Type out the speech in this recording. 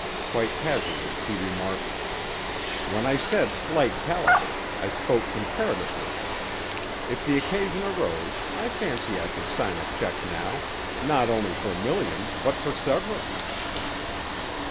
Quite casually he remarked: "When I said slight caliber, I spoke comparatively. If the occasion arose, I fancy I could sign a check now not only for a million but for several."